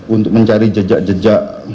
untuk mencari jejak jejak